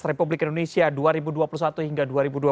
republik indonesia dua ribu dua puluh satu hingga dua ribu dua puluh